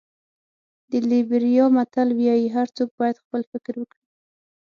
د لېبریا متل وایي هر څوک باید خپل فکر وکړي.